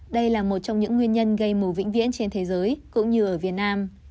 đây là một trong những nguyên nhân gây mù vĩnh viễn trên thế giới cũng như ở việt nam